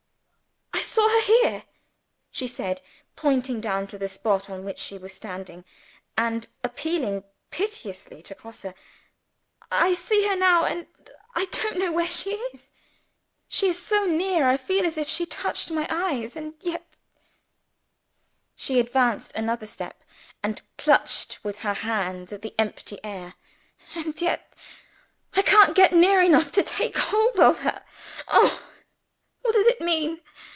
"I saw her here," she said, pointing down to the spot on which she was standing; and appealing piteously to Grosse. "I see her now and I don't know where she is! She is so near, I feel as if she touched my eyes and yet" (she advanced another step, and clutched with her hands at the empty air) "and yet, I can't get near enough to take hold of her. Oh! what does it mean?